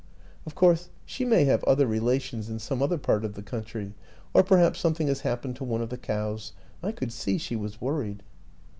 Of course, she may have other relations in some other part of the country or perhaps some thing has happened to one of the cows. I could see she was worried."